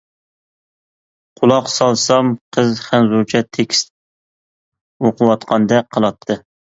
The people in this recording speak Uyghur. قۇلاق سالسام قىز خەنزۇچە تېكىست ئوقۇۋاتقاندەك قىلاتتى.